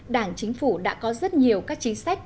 đảng chính phủ đã có rất nhiều các chính sách